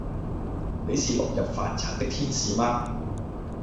你是落入凡塵的天使嗎？